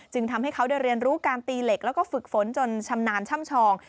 ทำให้เขาได้เรียนรู้การตีเหล็กแล้วก็ฝึกฝนจนชำนาญช่ำชอง